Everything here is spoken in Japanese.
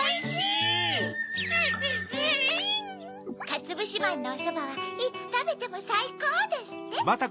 「かつぶしまんのおそばはいつたべてもさいこう！」ですって？